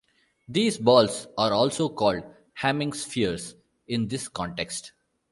These balls are also called "Hamming spheres" in this context.